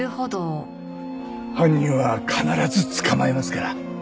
犯人は必ず捕まえますから。